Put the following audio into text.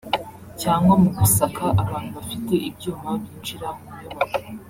cyangwa mu gusaka abantu bafite ibyuma binjira mu nyubako